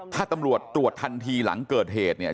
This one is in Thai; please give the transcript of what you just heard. ถ้าตำรวจตรวจทันทีหลังเกิดเหตุเนี่ย